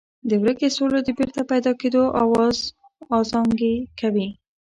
د ورکې سولې د بېرته پیدا کېدو آواز ازانګې کوي.